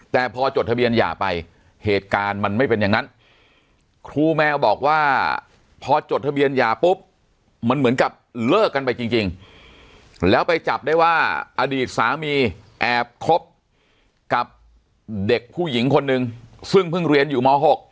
แต่พอจดทะเบียนหย่าไปเหตุการณ์มันไม่เป็นอย่างนั้นครูแมวบอกว่าพอจดทะเบียนหย่าปุ๊บมันเหมือนกับเลิกกันไปจริงแล้วไปจับได้ว่าอดีตสามีแอบคบกับเด็กผู้หญิงคนนึงซึ่งเพิ่งเรียนอยู่ม๖